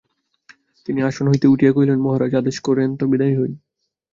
তিনি আসন হইতে উঠিয়া কহিলেন, মহারাজ, আদেশ করেন তো বিদায় হই।